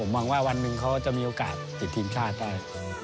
หวังว่าวันหนึ่งเขาจะมีโอกาสติดทีมชาติได้